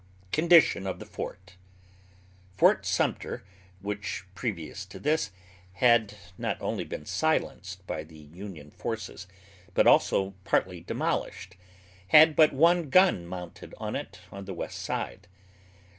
CONDITION OF THE FORT. Fort Sumter, which previous to this, had not only been silenced by the Union forces, but also partly demolished, had but one gun mounted on it, on the west side.